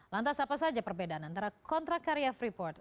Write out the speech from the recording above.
lantas apa saja perbedaan antara kontrak karya freeport